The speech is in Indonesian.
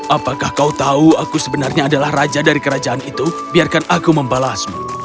apakah kau tahu aku sebenarnya adalah raja dari kerajaan itu biarkan aku membalasmu